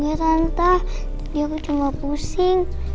gak tante dia cuma pusing